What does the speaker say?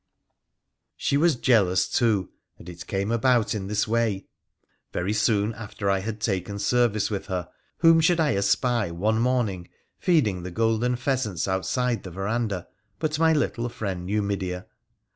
She was jealous, too ; and it came about in this way. Very soon after I had taken service with her, whom should I espy, one morning, feeding the golden pheasants outside the verandah but my little friend Numidea.